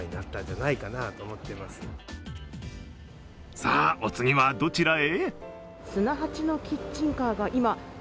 さあ、お次はどちらへ？